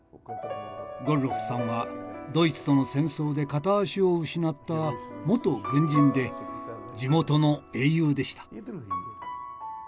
ゴルロフさんはドイツとの戦争で片足を失った元軍人で地元の英雄でした。